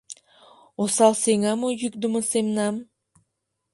Осал сеҥа мо йӱкдымӧ семнам?